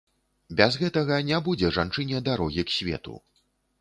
Без гэтага не будзе жанчыне дарогі к свету.